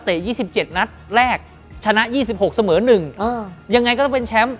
๒๗นัดแรกชนะ๒๖เสมอ๑ยังไงก็ต้องเป็นแชมป์